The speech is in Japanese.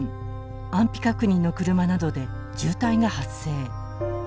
安否確認の車などで渋滞が発生。